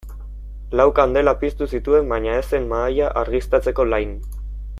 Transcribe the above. Lau kandela piztu zituen baina ez zen mahaia argiztatzeko lain.